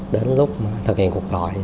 đến lúc thực hiện cuộc gọi